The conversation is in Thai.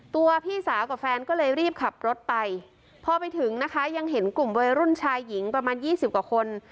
พี่สาวกับแฟนก็เลยรีบขับรถไปพอไปถึงนะคะยังเห็นกลุ่มวัยรุ่นชายหญิงประมาณยี่สิบกว่าคน